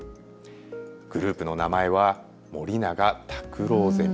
グループの名前は森永卓郎ゼミ。